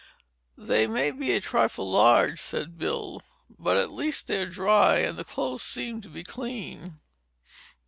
"They may be a trifle large," said Bill. "But at least they're dry and the clothes seem to be clean."